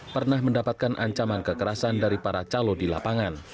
pernah mendapatkan ancaman kekerasan dari para calo di lapangan